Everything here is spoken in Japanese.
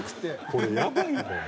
これやばいもんな。